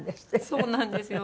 そうなんですよ。